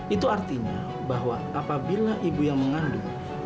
itu artinya bahwa apabila ibu yang mengandung